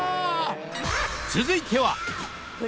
［続いては］